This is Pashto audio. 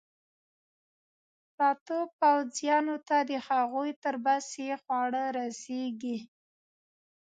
پرتو پوځیانو ته د هغوی تر بسې خواړه رسېږي.